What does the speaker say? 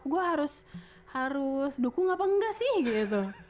gue harus dukung apa enggak sih gitu